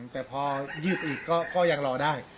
แต่พอยืดอีกก็ยังรอได้